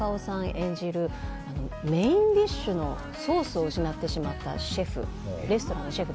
演じるメインディッシュのソースを失ったレストランのシェフ。